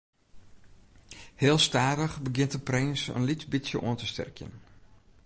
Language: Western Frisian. Heel stadich begjint de prins in lyts bytsje oan te sterkjen.